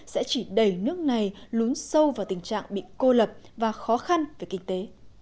sẽ chỉ đẩy nước này lún sâu vào tình trạng bị cô lập và khó khăn về kinh tế